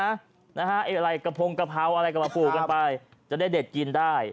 อะไรกระพงกะเพราอะไรก็มาปลูกกันไปจะได้เด็ดกินได้